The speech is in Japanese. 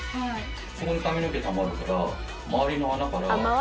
そこに髪の毛たまるから周りの穴から流れていく。